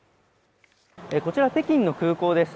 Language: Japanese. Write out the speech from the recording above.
こちら北京の空港です